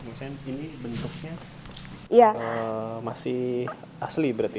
maksudnya ini bentuknya masih asli berarti